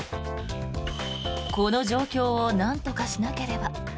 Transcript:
この状況をなんとかしなければ。